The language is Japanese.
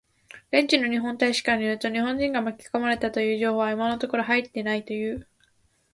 現地の日本大使館によると、日本人が巻き込まれたという情報は今のところ入っていないという。